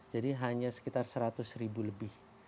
jadi hanya sekitar seratus ribu lebih